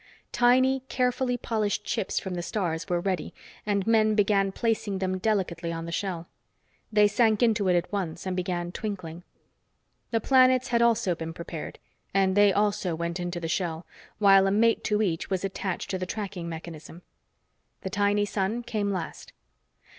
Tiny, carefully polished chips from the stars were ready, and men began placing them delicately on the shell. They sank into it at once and began twinkling. The planets had also been prepared, and they also went into the shell, while a mate to each was attached to the tracking mechanism. The tiny sun came last.